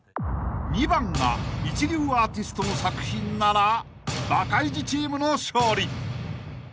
［２番が一流アーティストの作品ならバカイジチームの勝利］